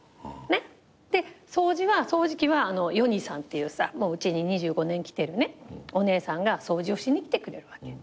で掃除は掃除機はヨニさんっていうさうちに２５年来てるお姉さんが掃除をしに来てくれるわけ。